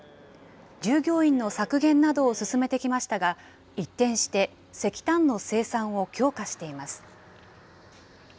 従業員の削減などを進めてきましたが、一転して石炭の生産を強化しています。